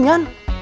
jadi paksa senyum